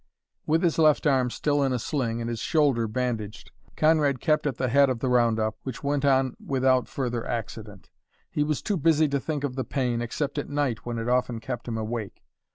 With his left arm still in a sling and his shoulder bandaged, Conrad kept at the head of the round up, which went on without further accident. He was too busy to think of the pain, except at night, when it often kept him awake.